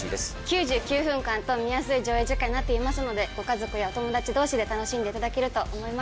９９分間と見やすい上映時間になっていますのでご家族やお友達同士で楽しんでいただけると思います。